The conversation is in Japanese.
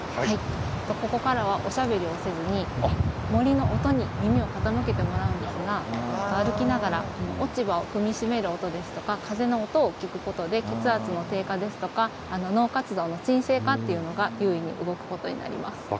ここからはおしゃべりをせずに森の音に耳を傾けてもらうんですが歩きながら落ち葉を踏みしめる音や風の音を聞くことで血圧の低下や脳活動の鎮静化が優位に動くことになります。